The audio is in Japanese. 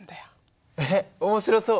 えっ面白そう。